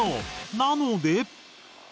なので。